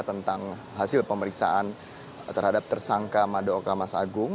tentang hasil pemeriksaan terhadap tersangka madaoka mas agung